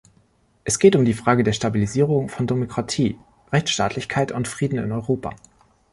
Es geht um die Frage der Stabilisierung von Demokratie, Rechtsstaatlichkeit und Frieden in Europa.